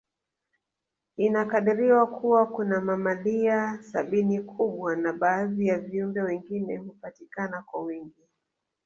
Inakadiriwa Kuwa kuna mamalia sabini kubwa na baadhi ya viumbe wengine hupatikana kwa wingi